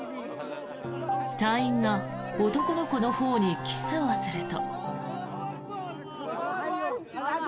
隊員が男の子の頬にキスをすると。